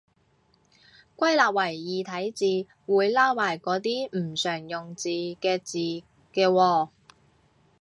歸納為異體字，會撈埋嗰啲唔常用字嘅字嘅喎